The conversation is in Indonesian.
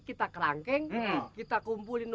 aduh aku lagi lakuin